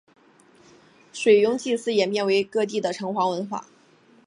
水庸祭祀演变为各地的城隍文化。